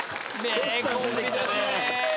名コンビですね。